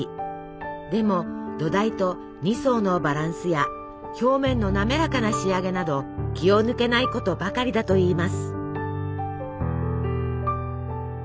でも土台と２層のバランスや表面のなめらかな仕上げなど気を抜けないことばかりだといいます。